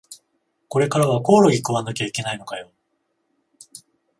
これからはコオロギ食わなきゃいけないのかよ